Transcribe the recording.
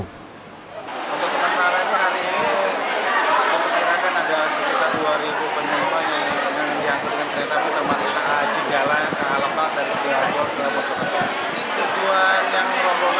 untuk sementara hari ini memperkirakan ada sekitar dua penumpang yang diangkat dengan kereta api termasuk ke aji gala ke alemang dari sediakor ke mojokerto